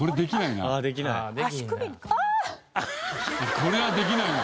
これはできないな。